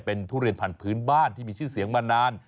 เป็นทุเรียนพันธุ์บ้านที่มีชื่อเสียงมานาน